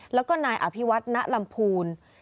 แล้วก็นายอภิวัฒนลำพูน